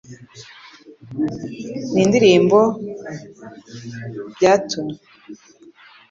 Ni Indirimbo Links Rolf Harris & byatumye Zeppelin